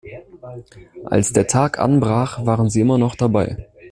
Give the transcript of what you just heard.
Als der Tag anbrach, waren sie immer noch dabei.